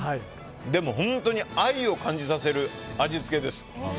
でも、本当にアユを感じさせる味付けです。